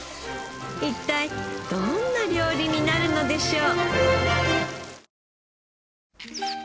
一体どんな料理になるのでしょう？